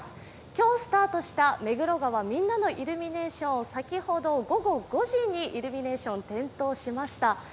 今日スタートした目黒川みんなのイルミネーション、先ほど午後５時にイルミネーション点灯しました。